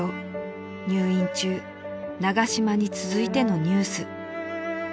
［「入院中長嶋に続いてのニュース」］